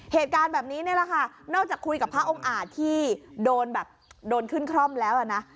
เหตุการณ์แบบนี้นี่แหละค่ะนอกจากคุยกับพระองค์อาจที่โดนแบบโดนขึ้นคร่อมแล้วนะ